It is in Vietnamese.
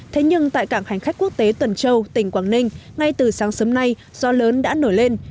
thế nhưng tại cảng hành khách quốc tế tuần châu tỉnh quảng ninh ngay từ sáng sớm nay do lớn đã nổi lên